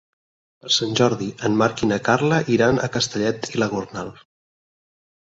Per Sant Jordi en Marc i na Carla iran a Castellet i la Gornal.